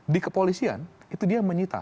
di kepolisian itu dia menyita